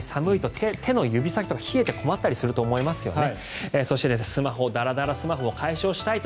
寒いと手の指先とかが冷えて困ったりすると思いますよね。